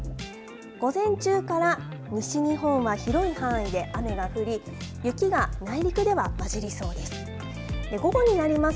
午前中から西日本は広い範囲で雨が降り、雪が内陸では交じりそうです。